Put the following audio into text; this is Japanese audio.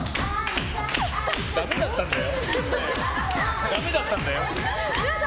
だめだったんだよ。